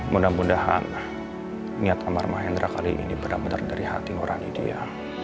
mudah mudahan niat amar mahendra kali ini benar benar dari hati orang ideal